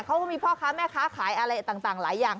เขาก็มีพ่อค้าแม่ค้าขายอะไรต่างหลายอย่าง